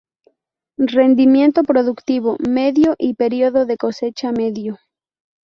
Rendimiento productivo medio y periodo de cosecha medio.